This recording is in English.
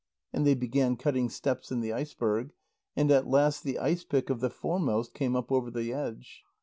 And they began cutting steps in the iceberg, and at last the ice pick of the foremost came up over the edge.